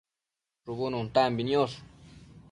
shubu nuntambi niosh